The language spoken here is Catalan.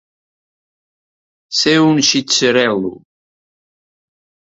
Ser un xitxarel·lo.